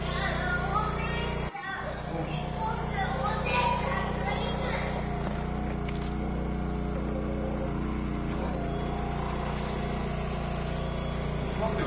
僕お姉ちゃんと行く行きますよ。